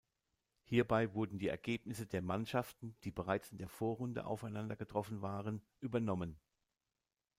Hierbei wurden die Ergebnisse der Mannschaften, die bereits in der Vorrunde aufeinandergetroffen waren, übernommen.